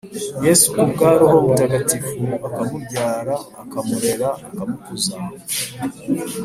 yezu ku bwa roho mutagatifu, akamubyara, akamurera, akamukuza